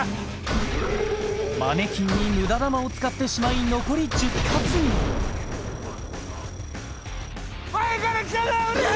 マネキンに無駄弾を使ってしまい残り１０発に前から来たぞウルフ！